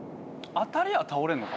当たりゃあ倒れるのか。